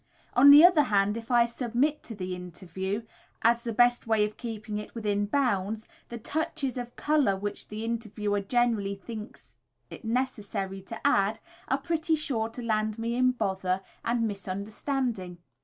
On the other hand, if I submit to the interview as the best way of keeping it within bounds, the "touches of colour" which the interviewer generally thinks it necessary to add, are pretty sure to land me in bother and misunderstanding.